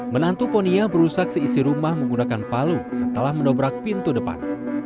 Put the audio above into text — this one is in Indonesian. menantu ponia berusak seisi rumah menggunakan palu setelah mendobrak pintu depan